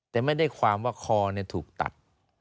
แต่ไม่ได้ความว่าคอถูกตัด